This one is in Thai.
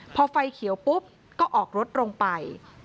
พอไฟเขียวปุ๊บก็ออกรถลงไป